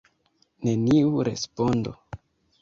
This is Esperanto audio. Neniu respondo.